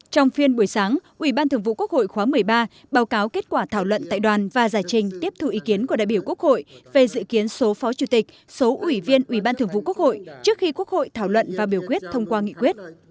trong phiên buổi sáng ủy ban thường vụ quốc hội khóa một mươi ba báo cáo kết quả thảo luận tại đoàn và giải trình tiếp thu ý kiến của đại biểu quốc hội về dự kiến số phó chủ tịch số ủy viên ủy ban thường vụ quốc hội trước khi quốc hội thảo luận và biểu quyết thông qua nghị quyết